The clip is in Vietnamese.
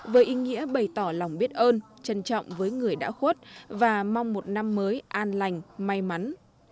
với ý nghĩa bày tỏ lòng biết ơn trân trọng với người đã khuất và mong một năm mới an lành may mắn